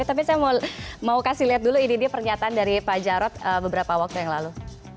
tapi saya mau kasih lihat dulu ini dia pernyataan dari pak jarod beberapa waktu yang lalu